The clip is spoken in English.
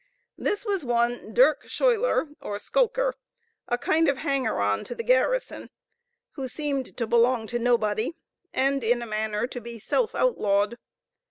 This was one Dirk Schuiler (or Skulker), a kind of hanger on to the garrison, who seemed to belong to nobody, and in a manner to be self outlawed.